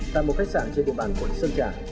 tại một khách sạn trên địa bàn quận sơn trà